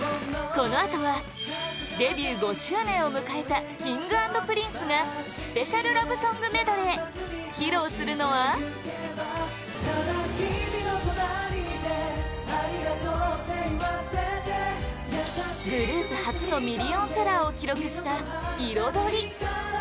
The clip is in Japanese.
このあとは、デビュー５周年を迎えたＫｉｎｇ＆Ｐｒｉｎｃｅがスペシャルラブソングメドレー披露するのはグループ初のミリオンセラーを記録した「彩り」